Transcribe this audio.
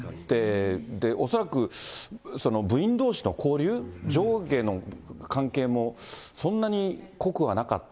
恐らく部員どうしの交流、上下の関係もそんなに濃くはなかった。